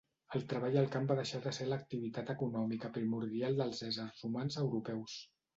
El treball al camp va deixar de ser l'activitat econòmica primordial dels éssers humans europeus.